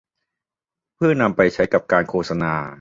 เพื่อนำไปใช้กับการโฆษณา